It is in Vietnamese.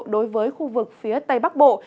đối với khu vực phía tây bắc bộ